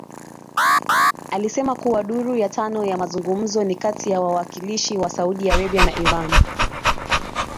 Alisema kuwa duru ya tano ya mazungumzo ni kati ya wawakilishi wa Saudi Arabia na Iran